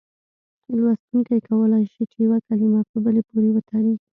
لوستونکی کولای شي چې یوه کلمه په بلې پورې وتړي.